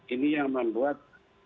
ini yang membuat